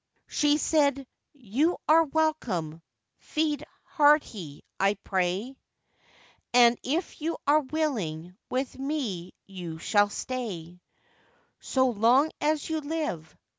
She said, 'You are welcome, feed hearty, I pray, And, if you are willing, with me you shall stay, So long as you live.